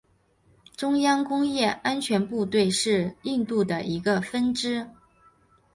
中央工业安全部队是印度一个分支。